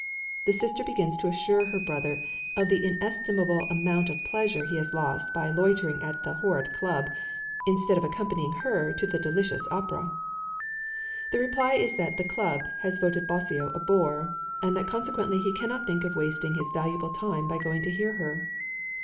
The sister begins to assure her brother of the inestimable amount of pleasure he has lost by loitering at the "horrid" club, instead of accompanying her to the delicious opera. The reply is that "the club" has voted Bosio a bore, and that consequently he cannot think of wasting his valuable time by going to hear her.